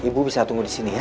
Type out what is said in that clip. ibu bisa tunggu di sini ya